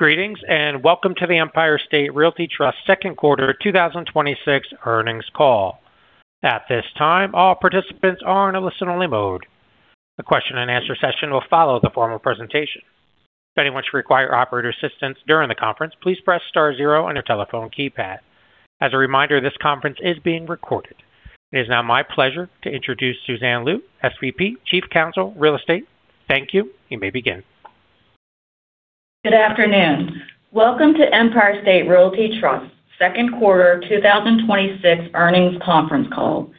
Greetings, welcome to the Empire State Realty Trust Second quarter 2026 earnings call. At this time, all participants are in a listen-only mode. The question and answer session will follow the formal presentation. If anyone should require operator assistance during the conference, please press star zero on your telephone keypad. As a reminder, this conference is being recorded. It is now my pleasure to introduce Susanne Lieu, SVP, Chief Counsel, Real Estate. Thank you. You may begin. Good afternoon. Welcome to Empire State Realty Trust Second Quarter 2026 Earnings Conference Call.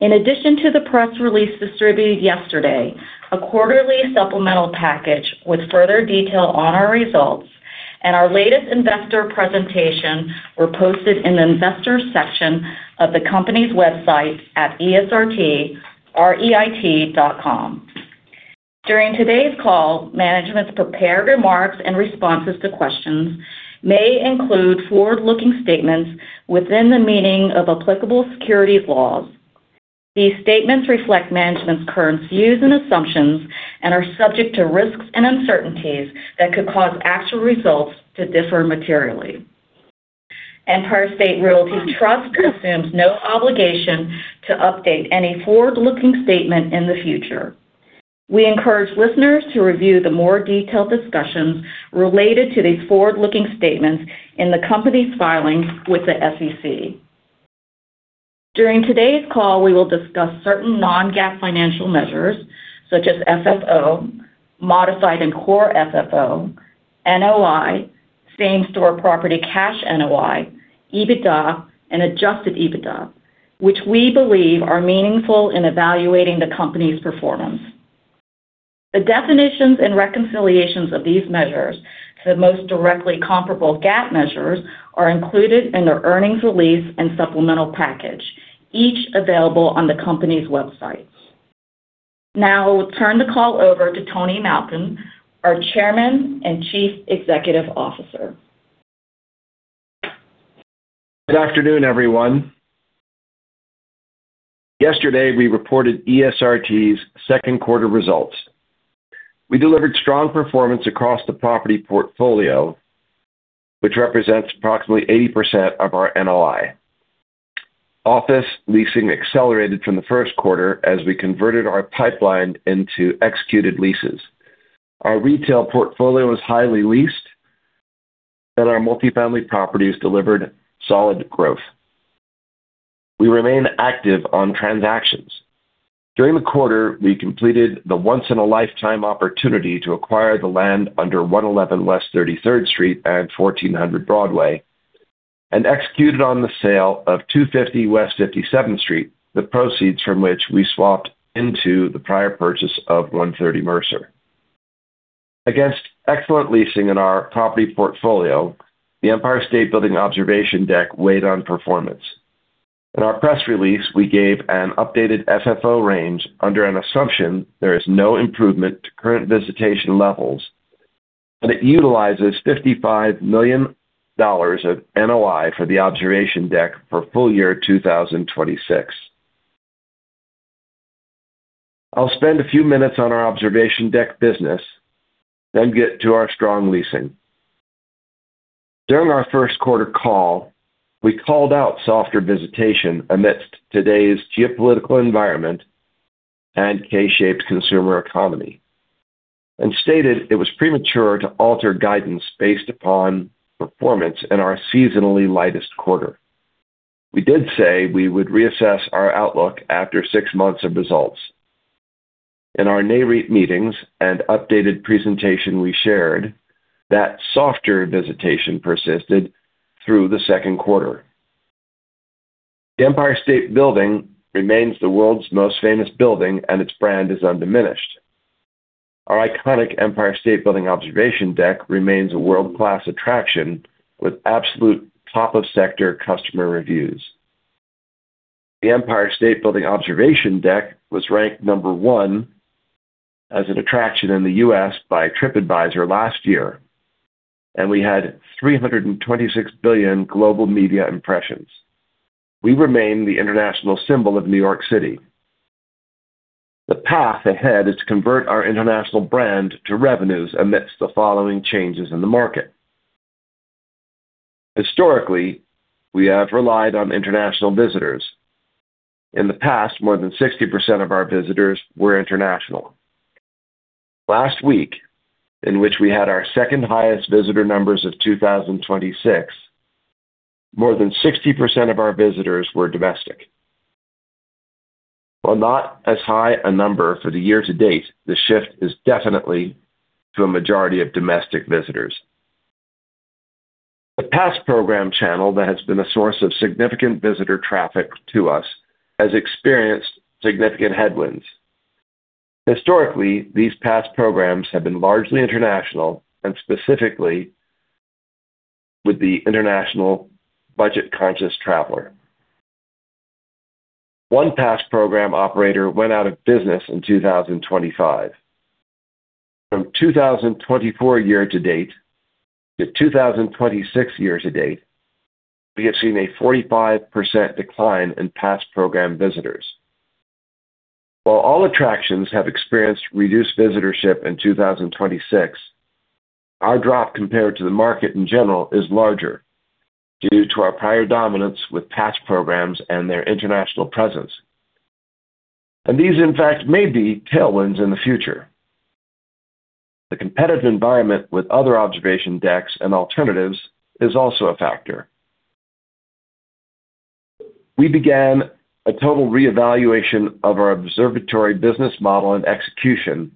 In addition to the press release distributed yesterday, a quarterly supplemental package with further detail on our results and our latest investor presentation were posted in the Investors section of the company's website at esrtreit.com. During today's call, management's prepared remarks and responses to questions may include forward-looking statements within the meaning of applicable securities laws. These statements reflect management's current views and assumptions and are subject to risks and uncertainties that could cause actual results to differ materially. Empire State Realty Trust assumes no obligation to update any forward-looking statement in the future. We encourage listeners to review the more detailed discussions related to these forward-looking statements in the company's filings with the SEC. During today's call, we will discuss certain non-GAAP financial measures such as FFO, modified and core FFO, NOI, same-store property cash NOI, EBITDA, and adjusted EBITDA, which we believe are meaningful in evaluating the company's performance. The definitions and reconciliations of these measures to the most directly comparable GAAP measures are included in the earnings release and supplemental package, each available on the company's website. I will turn the call over to Tony Malkin, our Chairman and Chief Executive Officer. Good afternoon, everyone. Yesterday, we reported ESRT's second quarter results. We delivered strong performance across the property portfolio, which represents approximately 80% of our NOI. Office leasing accelerated from the first quarter as we converted our pipeline into executed leases. Our retail portfolio was highly leased, and our multifamily properties delivered solid growth. We remain active on transactions. During the quarter, we completed the once-in-a-lifetime opportunity to acquire the land under 111 West 33rd Street and 1400 Broadway and executed on the sale of 250 West 57th Street, the proceeds from which we swapped into the prior purchase of 130 Mercer. Against excellent leasing in our property portfolio, the Empire State Building Observation Deck weighed on performance. In our press release, we gave an updated FFO range under an assumption there is no improvement to current visitation levels, and it utilizes $55 million of NOI for the Observation Deck for full year 2026. I'll spend a few minutes on our Observation Deck business, then get to our strong leasing. During our first quarter call, we called out softer visitation amidst today's geopolitical environment and K-shaped consumer economy and stated it was premature to alter guidance based upon performance in our seasonally lightest quarter. We did say we would reassess our outlook after six months of results. In our Nareit meetings and updated presentation we shared that softer visitation persisted through the second quarter. The Empire State Building remains the world's most famous building, and its brand is undiminished. Our iconic Empire State Building Observation Deck remains a world-class attraction with absolute top-of-sector customer reviews. The Empire State Building Observation Deck was ranked number one as an attraction in the U.S. by TripAdvisor last year. We had 326 billion global media impressions. We remain the international symbol of New York City. The path ahead is to convert our international brand to revenues amidst the following changes in the market. Historically, we have relied on international visitors. In the past, more than 60% of our visitors were international. Last week, in which we had our second highest visitor numbers of 2026, more than 60% of our visitors were domestic. While not as high a number for the year to date, the shift is definitely to a majority of domestic visitors. The pass program channel that has been a source of significant visitor traffic to us has experienced significant headwinds. Historically, these pass programs have been largely international and specifically with the international budget-conscious traveler. One pass program operator went out of business in 2025. From 2024 year to date to 2026 year to date, we have seen a 45% decline in pass program visitors. While all attractions have experienced reduced visitorship in 2026, our drop compared to the market in general is larger due to our prior dominance with pass programs and their international presence. These, in fact, may be tailwinds in the future. The competitive environment with other observation decks and alternatives is also a factor. We began a total reevaluation of our Observatory business model and execution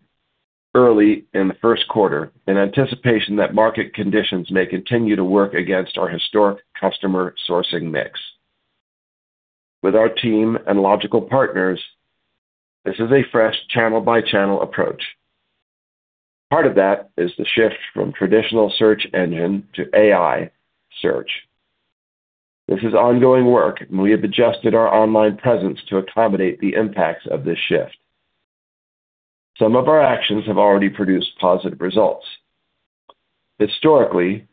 early in the first quarter in anticipation that market conditions may continue to work against our historic customer sourcing mix. With our team and logical partners, this is a fresh channel-by-channel approach. Part of that is the shift from traditional search engine to AI search. This is ongoing work. We have adjusted our online presence to accommodate the impacts of this shift. Some of our actions have already produced positive results. Historically,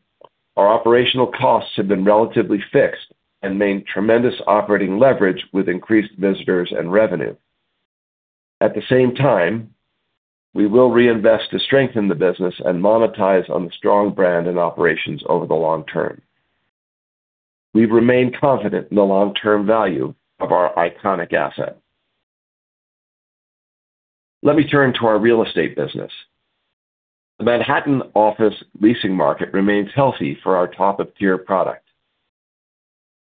our operational costs have been relatively fixed and made tremendous operating leverage with increased visitors and revenue. At the same time, we will reinvest to strengthen the business and monetize on the strong brand and operations over the long term. We remain confident in the long-term value of our iconic asset. Let me turn to our Real Estate business. The Manhattan office leasing market remains healthy for our top-of-tier product.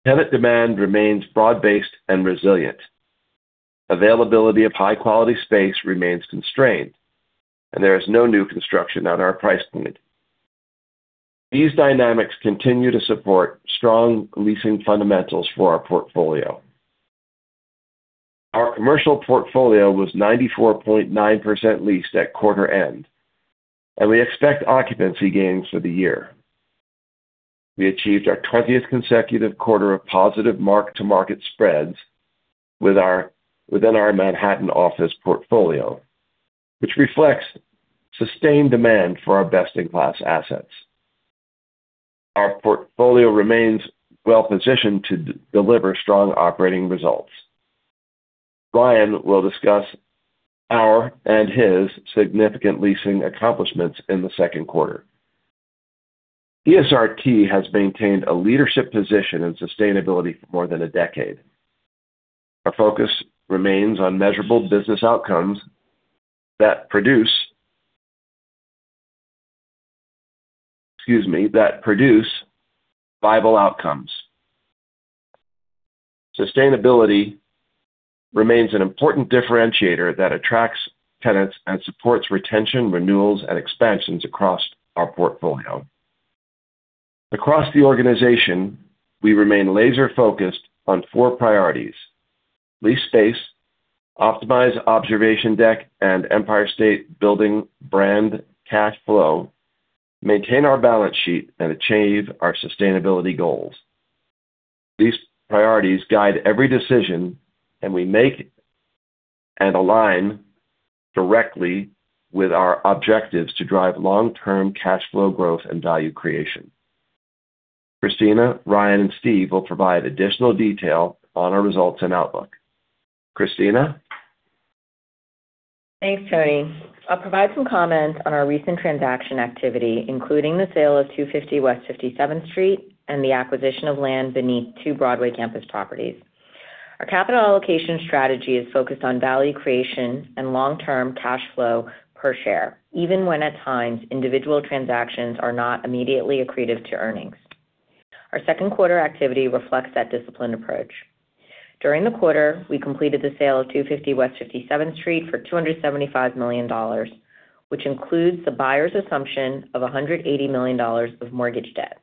Tenant demand remains broad-based and resilient. Availability of high-quality space remains constrained. There is no new construction on our price point. These dynamics continue to support strong leasing fundamentals for our portfolio. Our commercial portfolio was 94.9% leased at quarter end, and we expect occupancy gains for the year. We achieved our 20th consecutive quarter of positive mark-to-market spreads within our Manhattan office portfolio, which reflects sustained demand for our best-in-class assets. Our portfolio remains well-positioned to deliver strong operating results. Ryan will discuss our and his significant leasing accomplishments in the second quarter. ESRT has maintained a leadership position in sustainability for more than a decade. Our focus remains on measurable business outcomes that produce viable outcomes. Sustainability remains an important differentiator that attracts tenants and supports retention, renewals, and expansions across our portfolio. Across the organization, we remain laser-focused on four priorities: lease space, optimize Observation Deck and Empire State Building brand cash flow, maintain our balance sheet, and achieve our sustainability goals. These priorities guide every decision that we make and align directly with our objectives to drive long-term cash flow growth and value creation. Christina, Ryan, and Steve will provide additional detail on our results and outlook. Christina? Thanks, Tony. I'll provide some comments on our recent transaction activity, including the sale of 250 West 57th Street and the acquisition of land beneath two Broadway campus properties. Our capital allocation strategy is focused on value creation and long-term cash flow per share, even when at times individual transactions are not immediately accretive to earnings. Our second quarter activity reflects that disciplined approach. During the quarter, we completed the sale of 250 West 57th Street for $275 million, which includes the buyer's assumption of $180 million of mortgage debt.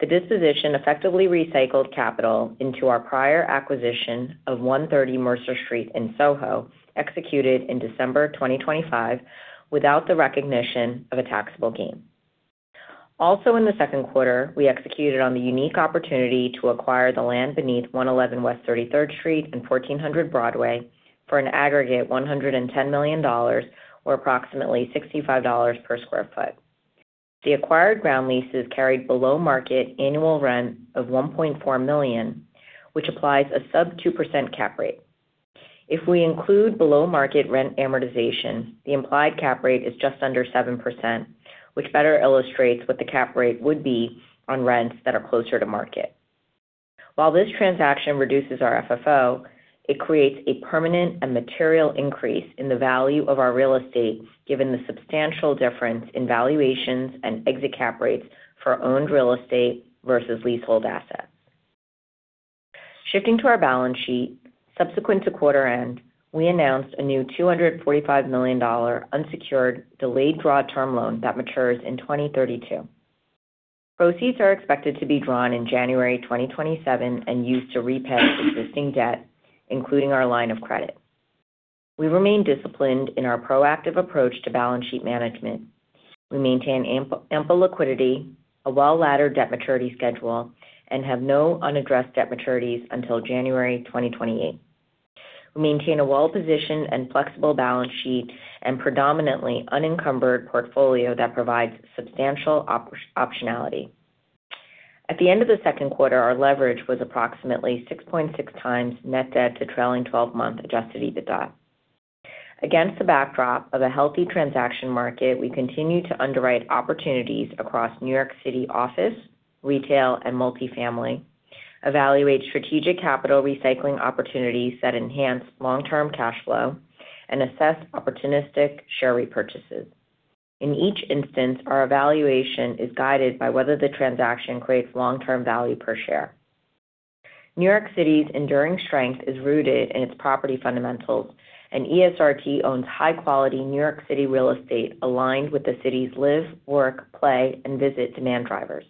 The disposition effectively recycled capital into our prior acquisition of 130 Mercer Street in SoHo, executed in December 2025, without the recognition of a taxable gain. In the second quarter, we executed on the unique opportunity to acquire the land beneath 111 West 33rd Street and 1400 Broadway for an aggregate $110 million or approximately $65 per sq ft. The acquired ground leases carried below-market annual rent of $1.4 million, which applies a sub 2% cap rate. If we include below-market rent amortization, the implied cap rate is just under 7%, which better illustrates what the cap rate would be on rents that are closer to market. While this transaction reduces our FFO, it creates a permanent and material increase in the value of our real estate, given the substantial difference in valuations and exit cap rates for owned real estate versus leasehold assets. Shifting to our balance sheet, subsequent to quarter end, we announced a new $245 million unsecured delayed draw term loan that matures in 2032. Proceeds are expected to be drawn in January 2027 and used to repay existing debt, including our line of credit. We remain disciplined in our proactive approach to balance sheet management. We maintain ample liquidity, a well-laddered debt maturity schedule, and have no unaddressed debt maturities until January 2028. We maintain a well-positioned and flexible balance sheet and predominantly unencumbered portfolio that provides substantial optionality. At the end of the second quarter, our leverage was approximately 6.6x net debt to trailing 12-month adjusted EBITDA. Against the backdrop of a healthy transaction market, we continue to underwrite opportunities across New York City office, retail, and multifamily, evaluate strategic capital recycling opportunities that enhance long-term cash flow, and assess opportunistic share repurchases. In each instance, our evaluation is guided by whether the transaction creates long-term value per share. New York City's enduring strength is rooted in its property fundamentals, and ESRT owns high-quality New York City real estate aligned with the city's live, work, play, and visit demand drivers.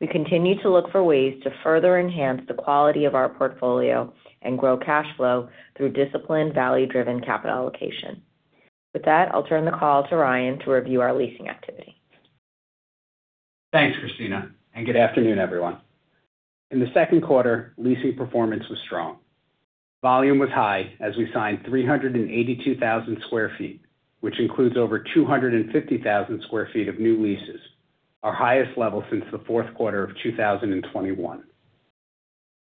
We continue to look for ways to further enhance the quality of our portfolio and grow cash flow through disciplined, value-driven capital allocation. With that, I'll turn the call to Ryan to review our leasing activity. Thanks, Christina, and good afternoon, everyone. In the second quarter, leasing performance was strong. Volume was high as we signed 382,000 sq ft, which includes over 250,000 sq ft of new leases, our highest level since the fourth quarter of 2021.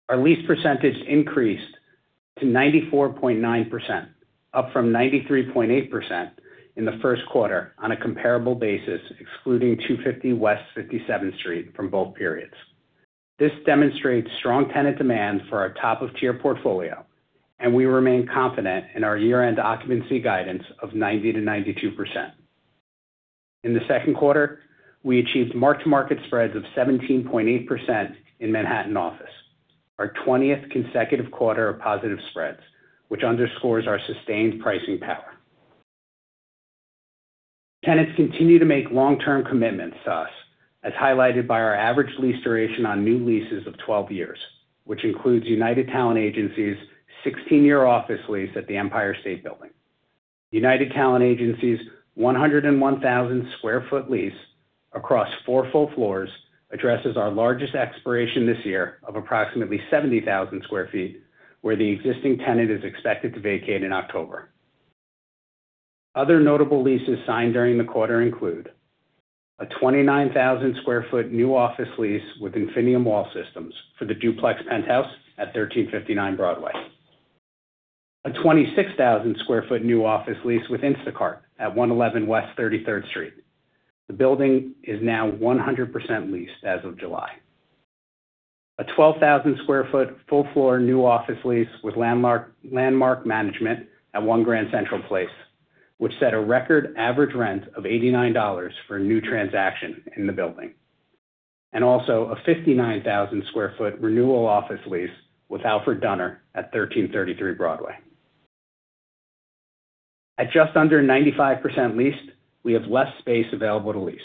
Our lease percentage increased to 94.9%, up from 93.8% in the first quarter on a comparable basis, excluding 250 West 57th Street from both periods. This demonstrates strong tenant demand for our top-of-tier portfolio, and we remain confident in our year-end occupancy guidance of 90%-92%. In the second quarter, we achieved mark-to-market spreads of 17.8% in Manhattan office, our 20th consecutive quarter of positive spreads, which underscores our sustained pricing power. Tenants continue to make long-term commitments to us, as highlighted by our average lease duration on new leases of 12 years, which includes United Talent Agency's 16-year office lease at the Empire State Building. United Talent Agency's 101,000 sq ft lease across four full floors addresses our largest expiration this year of approximately 70,000 sq ft, where the existing tenant is expected to vacate in October. Other notable leases signed during the quarter include a 29,000 sq ft new office lease with Infinium Wall Systems for the duplex penthouse at 1359 Broadway. A 26,000 sq ft new office lease with Instacart at 111 West 33rd Street. The building is now 100% leased as of July. A 12,000 sq ft full-floor new office lease with Landmark Management at One Grand Central Place, which set a record average rent of $89 for a new transaction in the building. A 59,000 sq ft renewal office lease with Alfred Dunner at 1333 Broadway. At just under 95% leased, we have less space available to lease.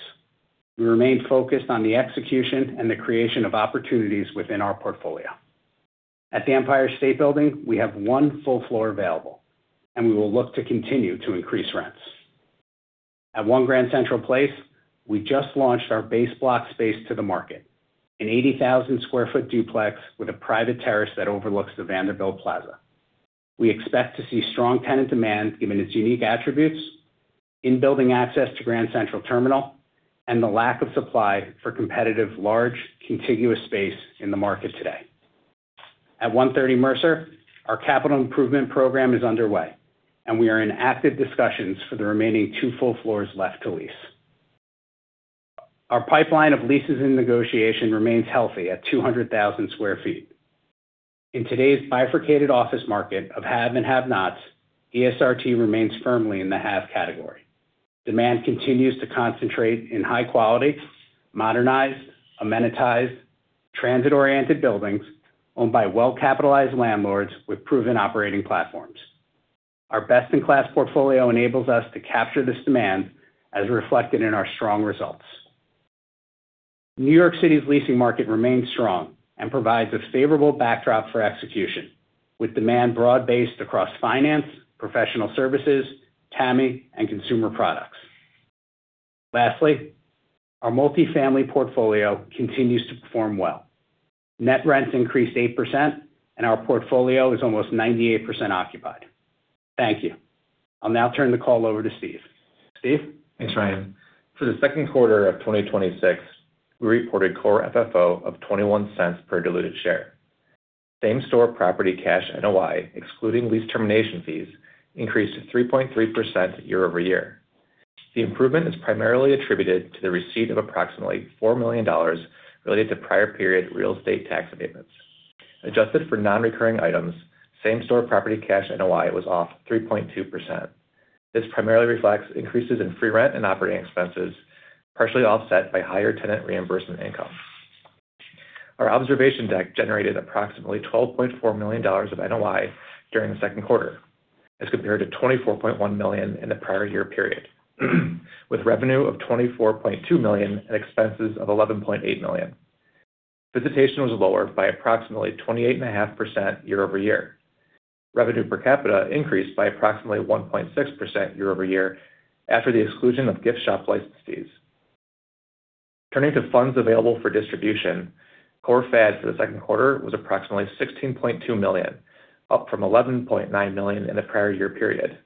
We remain focused on the execution and the creation of opportunities within our portfolio. At the Empire State Building, we have one full floor available, and we will look to continue to increase rents. At One Grand Central Place, we just launched our base block space to the market, an 80,000 sq ft duplex with a private terrace that overlooks the Vanderbilt Plaza. We expect to see strong tenant demand, given its unique attributes in building access to Grand Central Terminal and the lack of supply for competitive large contiguous space in the market today. At 130 Mercer, our capital improvement program is underway, and we are in active discussions for the remaining two full floors left to lease. Our pipeline of leases and negotiation remains healthy at 200,000 sq ft. In today's bifurcated office market of have and have-nots, ESRT remains firmly in the have category. Demand continues to concentrate in high quality, modernized, amenitized, transit-oriented buildings owned by well-capitalized landlords with proven operating platforms. Our best-in-class portfolio enables us to capture this demand as reflected in our strong results. New York City's leasing market remains strong and provides a favorable backdrop for execution, with demand broad-based across finance, professional services, TAMI, and consumer products. Lastly, our multifamily portfolio continues to perform well. Net rents increased 8%, and our portfolio is almost 98% occupied. Thank you. I'll now turn the call over to Steve. Steve? Thanks, Ryan. For the second quarter of 2026, we reported core FFO of $0.21 per diluted share. Same-store property cash NOI, excluding lease termination fees, increased 3.3% year-over-year. The improvement is primarily attributed to the receipt of approximately $4 million related to prior period real estate tax abatements. Adjusted for non-recurring items, same-store property cash NOI was off 3.2%. This primarily reflects increases in free rent and operating expenses, partially offset by higher tenant reimbursement income. Our Observation Deck generated approximately $12.4 million of NOI during the second quarter as compared to $24.1 million in the prior year period, with revenue of $24.2 million and expenses of $11.8 million. Visitation was lower by approximately 28.5% year-over-year. Revenue per capita increased by approximately 1.6% year-over-year after the exclusion of gift shop license fees. Turning to funds available for distribution, core FAD for the second quarter was approximately $16.2 million, up from $11.9 million in the prior year period.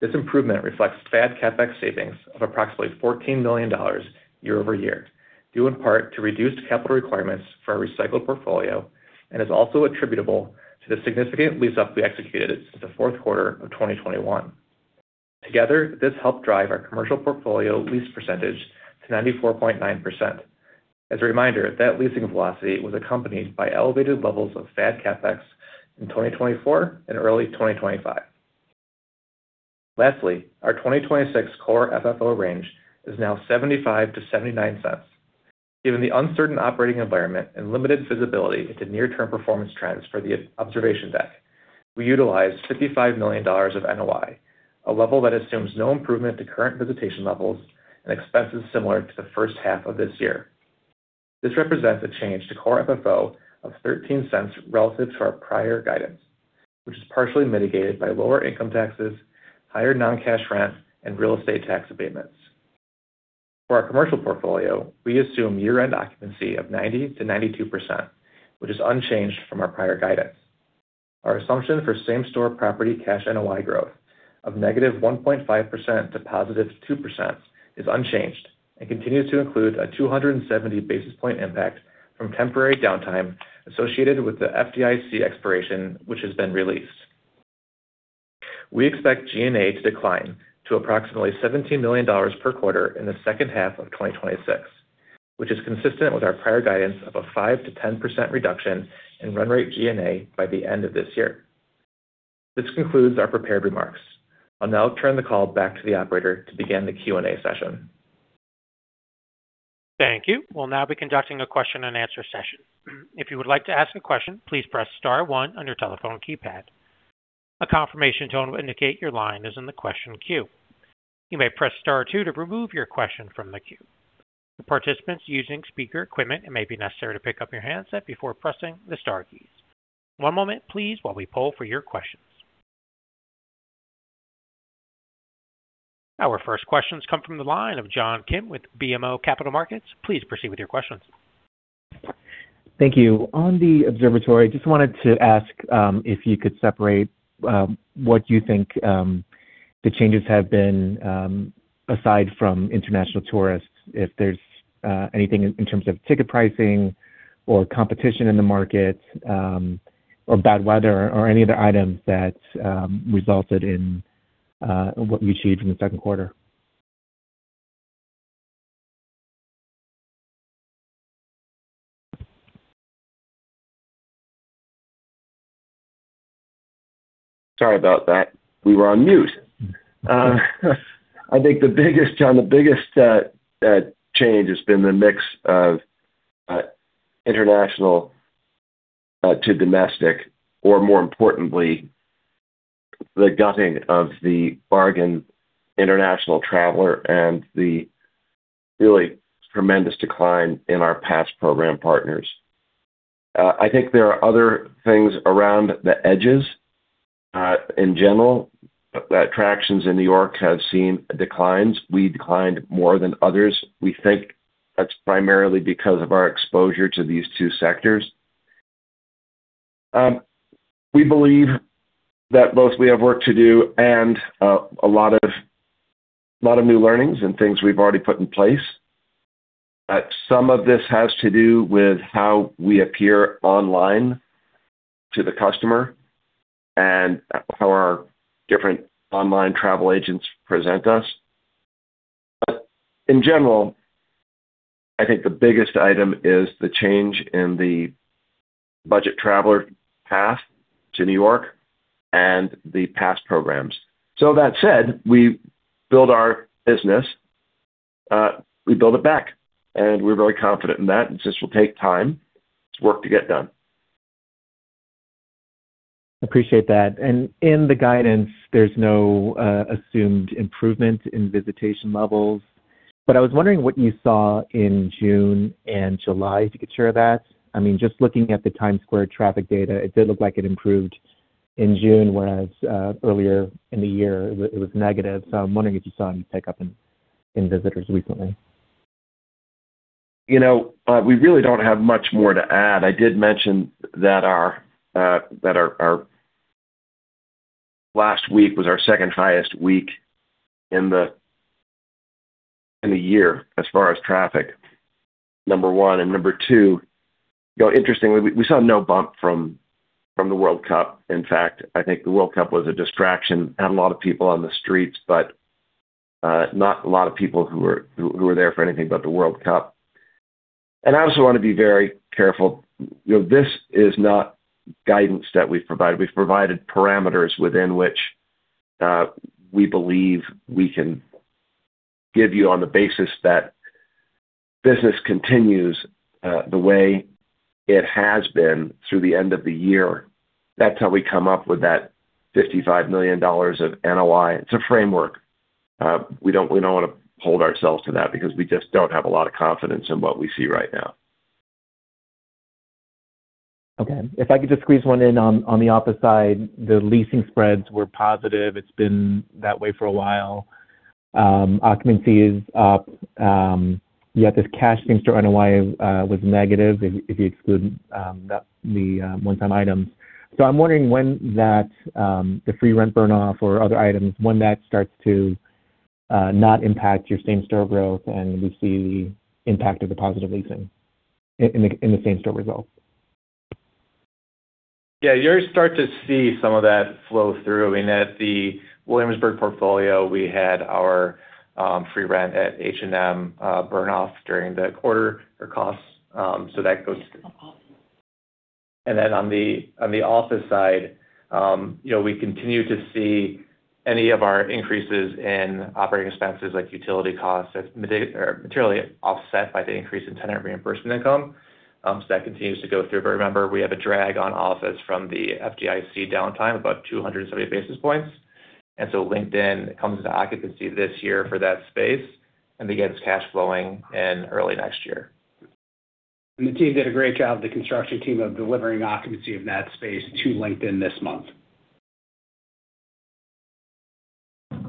This improvement reflects FAD CapEx savings of approximately $14 million year-over-year, due in part to reduced capital requirements for our recycled portfolio, and is also attributable to the significant lease-up we executed since the fourth quarter of 2021. Together, this helped drive our commercial portfolio lease percentage to 94.9%. As a reminder, that leasing velocity was accompanied by elevated levels of FAD CapEx in 2024 and early 2025. Lastly, our 2026 core FFO range is now $0.75-$0.79. Given the uncertain operating environment and limited visibility into near-term performance trends for the Observation Deck, we utilized $55 million of NOI, a level that assumes no improvement to current visitation levels and expenses similar to the first half of this year. This represents a change to core FFO of $0.13 relative to our prior guidance, which is partially mitigated by lower income taxes, higher non-cash rents, and real estate tax abatements. For our commercial portfolio, we assume year-end occupancy of 90%-92%, which is unchanged from our prior guidance. Our assumption for same-store property cash NOI growth of -1.5%-+2% is unchanged and continues to include a 270 basis point impact from temporary downtime associated with the FDIC expiration, which has been released. We expect G&A to decline to approximately $17 million per quarter in the second half of 2026, which is consistent with our prior guidance of a 5%-10% reduction in run rate G&A by the end of this year. This concludes our prepared remarks. I'll now turn the call back to the operator to begin the Q and A session. Thank you. We'll now be conducting a question and answer session. If you would like to ask a question, please press star one on your telephone keypad. A confirmation tone will indicate your line is in the question queue. You may press star two to remove your question from the queue. For participants using speaker equipment, it may be necessary to pick up your handset before pressing the star keys. One moment please while we poll for your questions. Our first questions come from the line of John Kim with BMO Capital Markets. Please proceed with your questions. Thank you. On the Observatory, just wanted to ask if you could separate what you think the changes have been, aside from international tourists, if there's anything in terms of ticket pricing or competition in the market, or bad weather, or any other items that resulted in what we achieved in the second quarter. Sorry about that. We were on mute. I think John, the biggest change has been the mix of international to domestic, or more importantly, the gutting of the bargain international traveler and the really tremendous decline in our pass program partners. I think there are other things around the edges. In general, the attractions in New York have seen declines. We declined more than others. We think that's primarily because of our exposure to these two sectors. We believe that both we have work to do and a lot of new learnings and things we've already put in place. Some of this has to do with how we appear online to the customer and how our different online travel agents present us. In general, I think the biggest item is the change in the budget traveler path to New York and the pass programs. That said, we build our business, we build it back, and we're very confident in that. It just will take time. It's work to get done. Appreciate that. In the guidance, there's no assumed improvement in visitation levels. I was wondering what you saw in June and July to get you of that. Just looking at the Times Square traffic data, it did look like it improved in June, whereas earlier in the year it was negative. I'm wondering if you saw any pickup in visitors recently. We really don't have much more to add. I did mention that our last week was our second highest week in the year as far as traffic, number one. Number two, interestingly, we saw no bump from the World Cup. In fact, I think the World Cup was a distraction. Had a lot of people on the streets, but not a lot of people who were there for anything but the World Cup. I also want to be very careful. This is not guidance that we've provided. We've provided parameters within which we believe we can give you on the basis that business continues the way it has been through the end of the year. That's how we come up with that $55 million of NOI. It's a framework. We don't want to hold ourselves to that because we just don't have a lot of confidence in what we see right now. Okay. If I could just squeeze one in on the office side, the leasing spreads were positive. It's been that way for a while. Occupancy is up. Yet this cash Same-Store NOI was negative if you exclude the one-time items. I'm wondering when the free rent burn-off or other items, when that starts to not impact your same-store growth, and we see impact of the positive leasing in the same-store results. Yeah. You start to see some of that flow through. In the Williamsburg portfolio, we had our free rent at H&M burn off during the quarter or costs. That goes through. Then on the office side, we continue to see any of our increases in operating expenses like utility costs, are materially offset by the increase in tenant reimbursement income. That continues to go through. Remember, we have a drag on office from the FDIC downtime, about 270 basis points. LinkedIn comes into occupancy this year for that space and begins cash flowing in early next year. The team did a great job, the construction team, of delivering occupancy of that space to LinkedIn this month.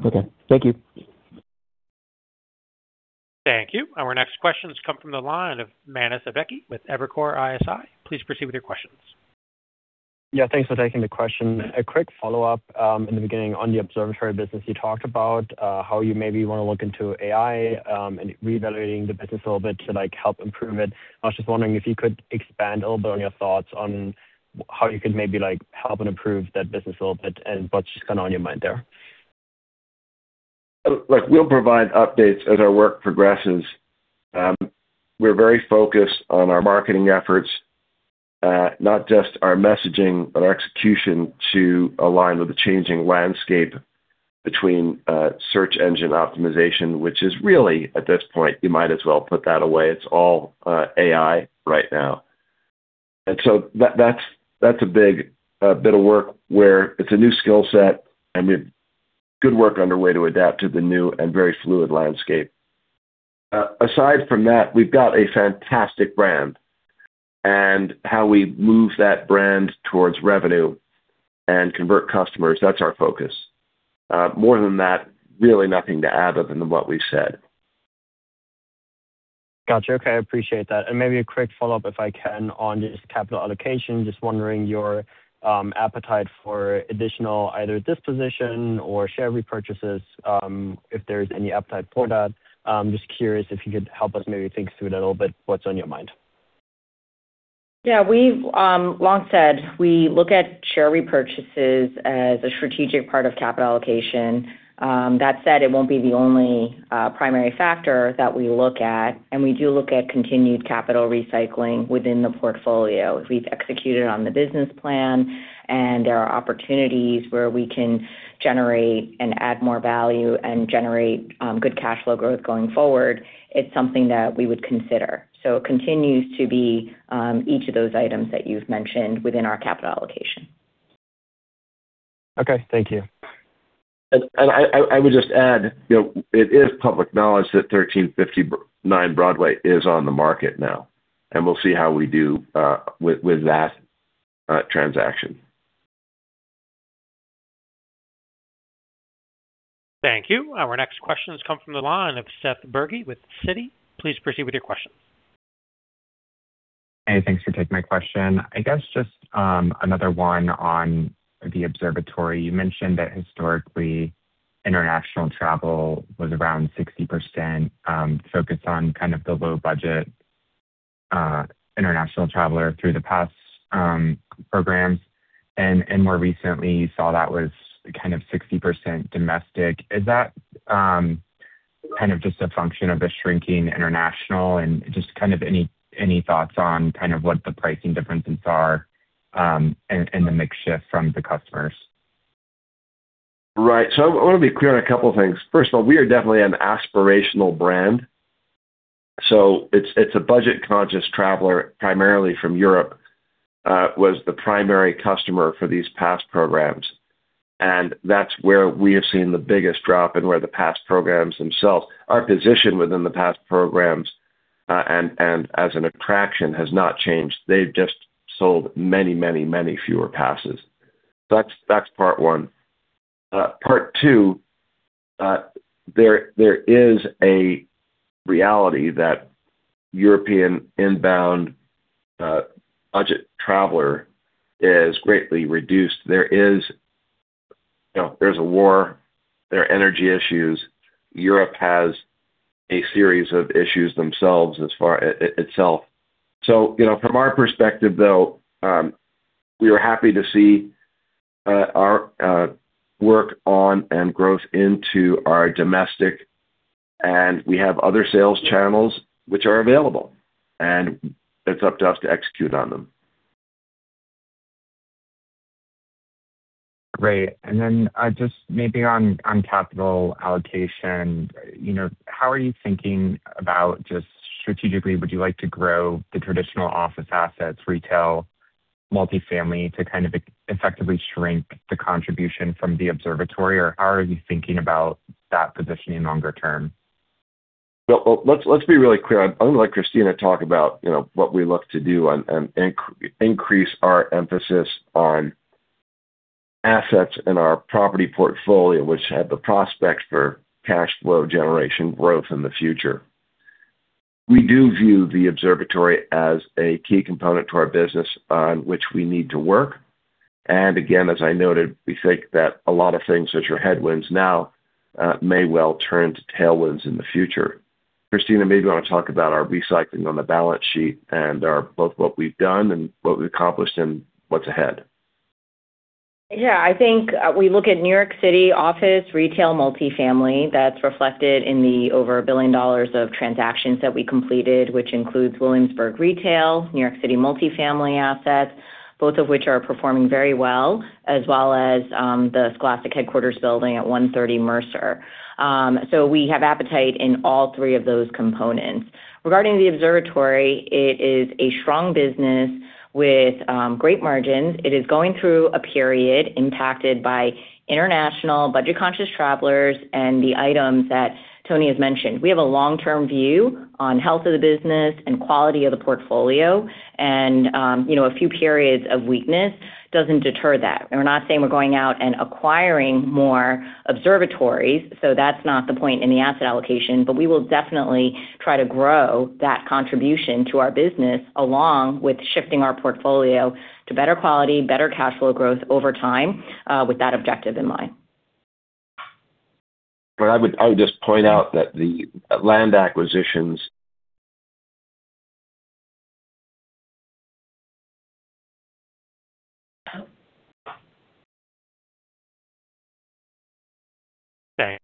Okay. Thank you. Thank you. Our next questions come from the line of Manus Ebeki with Evercore ISI. Please proceed with your questions. Yeah. Thanks for taking the question. A quick follow-up. In the beginning on the Observatory business, you talked about how you maybe want to look into AI and reevaluating the business a little bit to help improve it. I was just wondering if you could expand a little bit on your thoughts on how you could maybe help and improve that business a little bit and what's just kind of on your mind there. Look, we'll provide updates as our work progresses. We're very focused on our marketing efforts, not just our messaging, but our execution to align with the changing landscape between search engine optimization, which is really at this point, you might as well put that away. It's all AI right now. So that's a big bit of work where it's a new skill set and with good work underway to adapt to the new and very fluid landscape. Aside from that, we've got a fantastic brand and how we move that brand towards revenue and convert customers, that's our focus. More than that, really nothing to add other than what we've said. Got you. Okay. I appreciate that. Maybe a quick follow-up, if I can, on just capital allocation. Just wondering your appetite for additional either disposition or share repurchases, if there's any appetite for that. Just curious if you could help us maybe think through it a little bit, what's on your mind. We've long said we look at share repurchases as a strategic part of capital allocation. That said, it won't be the only primary factor that we look at, and we do look at continued capital recycling within the portfolio. If we've executed on the business plan and there are opportunities where we can generate and add more value and generate good cash flow growth going forward, it's something that we would consider. It continues to be each of those items that you've mentioned within our capital allocation. Okay. Thank you. I would just add, it is public knowledge that 1359 Broadway is on the market now, and we'll see how we do with that transaction. Thank you. Our next question comes from the line of Seth Bergey with Citi. Please proceed with your question. Hey, thanks for taking my question. I guess just another one on the Observatory. You mentioned that historically, international travel was around 60%, focused on kind of the low-budget international traveler through the past programs. More recently, you saw that was kind of 60% domestic. Is that just a function of a shrinking international? Just any thoughts on what the pricing differences are and the mix shift from the customers. Right. I want to be clear on a couple of things. First of all, we are definitely an aspirational brand. It's a budget-conscious traveler, primarily from Europe, was the primary customer for these past programs. That's where we have seen the biggest drop in where the past programs themselves are positioned within the past programs, and as an attraction has not changed. They've just sold many fewer passes. That's part one. Part two, there is a reality that European inbound budget traveler is greatly reduced. There's a war, there are energy issues. Europe has a series of issues themselves as far itself. From our perspective, though, we are happy to see our work on and growth into our domestic, and we have other sales channels which are available, and it's up to us to execute on them. Great. Just maybe on capital allocation, how are you thinking about just strategically, would you like to grow the traditional office assets, retail, multifamily, to kind of effectively shrink the contribution from the Observatory? How are you thinking about that positioning longer term? Well, let's be really clear. I'm going to let Christina talk about what we look to do and increase our emphasis on assets in our property portfolio, which have the prospects for cash flow generation growth in the future. We do view the Observatory as a key component to our business on which we need to work. Again, as I noted, we think that a lot of things that are headwinds now may well turn to tailwinds in the future. Christina, maybe you want to talk about our recycling on the balance sheet and both what we've done and what we've accomplished and what's ahead. Yeah. I think we look at New York City office retail multifamily that's reflected in the over $1 billion of transactions that we completed, which includes Williamsburg Retail, New York City multifamily assets, both of which are performing very well, as well as the Scholastic headquarters building at 130 Mercer. We have appetite in all three of those components. Regarding the Observatory, it is a strong business with great margins. It is going through a period impacted by international budget-conscious travelers and the items that Tony has mentioned. We have a long-term view on health of the business and quality of the portfolio and a few periods of weakness doesn't deter that. We're not saying we're going out and acquiring more observatories, that's not the point in the asset allocation. We will definitely try to grow that contribution to our business along with shifting our portfolio to better quality, better cash flow growth over time with that objective in mind. I would just point out that the land acquisitions-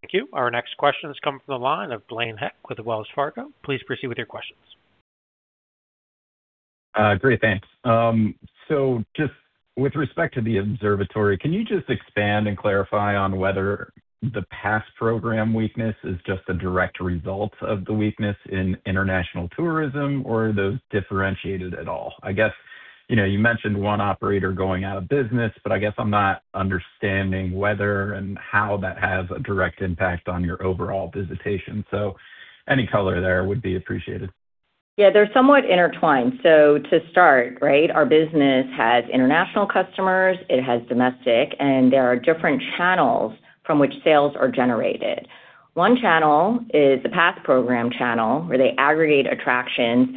Thank you. Our next question has come from the line of Blaine Heck with Wells Fargo. Please proceed with your questions. Great, thanks. Just with respect to the Observatory, can you just expand and clarify on whether the pass program weakness is just a direct result of the weakness in international tourism? Are those differentiated at all? I guess, you mentioned one operator going out of business. I guess I'm not understanding whether and how that has a direct impact on your overall visitation. Any color there would be appreciated. Yeah, they're somewhat intertwined. To start, right, our business has international customers, it has domestic, and there are different channels from which sales are generated. One channel is the pass program channel, where they aggregate attractions.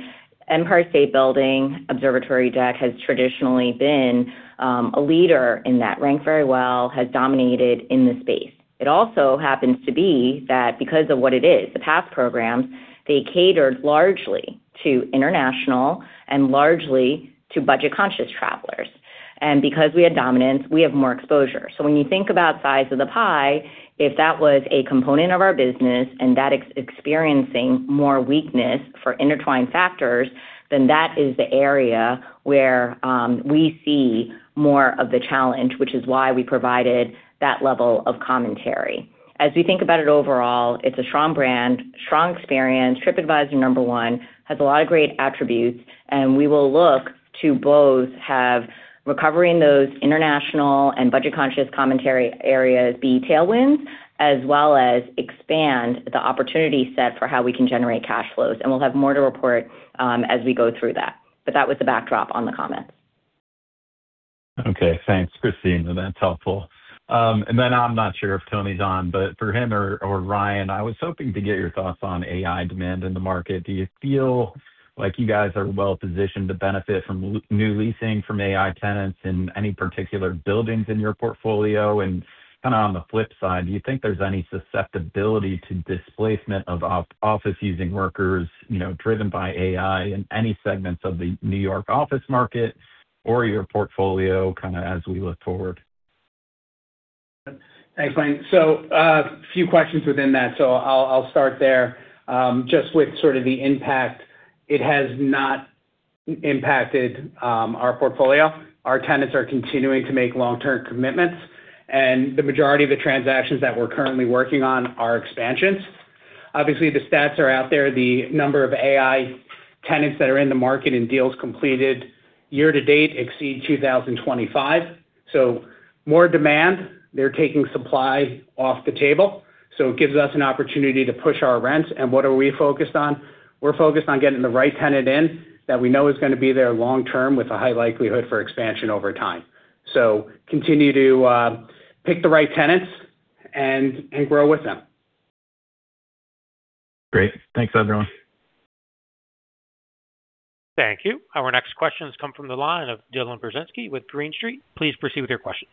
Empire State Building Observatory Deck has traditionally been a leader in that, ranked very well, has dominated in the space. It also happens to be that because of what it is, the pass program, they catered largely to international and largely to budget-conscious travelers. Because we had dominance, we have more exposure. When you think about size of the pie, if that was a component of our business and that experiencing more weakness for intertwined factors, then that is the area where we see more of the challenge, which is why we provided that level of commentary. As we think about it overall, it's a strong brand, strong experience. TripAdvisor number one, has a lot of great attributes, and we will look to both have recovery in those international and budget-conscious commentary areas be tailwinds, as well as expand the opportunity set for how we can generate cash flows. We'll have more to report as we go through that. That was the backdrop on the comments. Okay. Thanks, Christina. That's helpful. I'm not sure if Tony's on. For him or Ryan, I was hoping to get your thoughts on AI demand in the market. Do you feel like you guys are well positioned to benefit from new leasing from AI tenants in any particular buildings in your portfolio? On the flip side, do you think there's any susceptibility to displacement of office-using workers driven by AI in any segments of the New York office market or your portfolio as we look forward? Thanks, Blaine. A few questions within that. I'll start there. The impact, it has not impacted our portfolio. Our tenants are continuing to make long-term commitments, and the majority of the transactions that we're currently working on are expansions. Obviously, the stats are out there. The number of AI tenants that are in the market and deals completed year to date exceed 2,025. More demand. They're taking supply off the table, so it gives us an opportunity to push our rents. What are we focused on? We're focused on getting the right tenant in that we know is going to be there long term with a high likelihood for expansion over time. Continue to pick the right tenants and grow with them. Great. Thanks, everyone. Thank you. Our next question has come from the line of Dylan Burzinski with Green Street. Please proceed with your questions.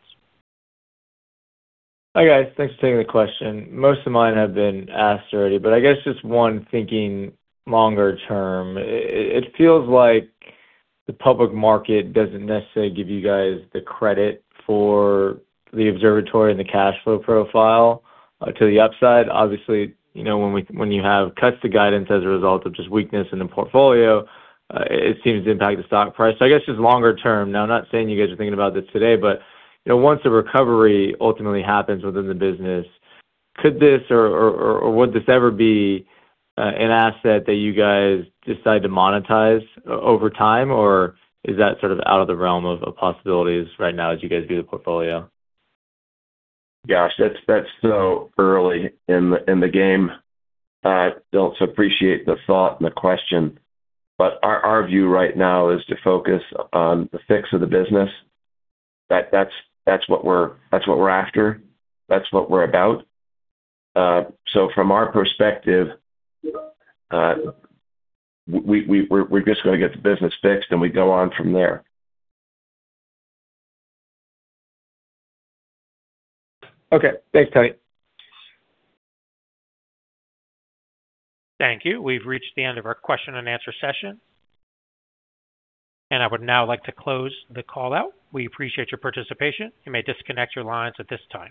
Hi, guys. Thanks for taking the question. Most of mine have been asked already, I guess just one thinking longer term. It feels like the public market doesn't necessarily give you guys the credit for the Observatory and the cash flow profile to the upside. Obviously, when you have cuts to guidance as a result of just weakness in the portfolio, it seems to impact the stock price. I guess just longer term now, I'm not saying you guys are thinking about this today, but once a recovery ultimately happens within the business, could this or would this ever be an asset that you guys decide to monetize over time? Or is that sort of out of the realm of possibilities right now as you guys view the portfolio? Gosh, that's so early in the game. Don't appreciate the thought and the question. Our view right now is to focus on the fix of the business. That's what we're after. That's what we're about. From our perspective, we're just going to get the business fixed, and we go on from there. Okay. Thanks, Tony. Thank you. We've reached the end of our question and answer session. I would now like to close the call out. We appreciate your participation. You may disconnect your lines at this time.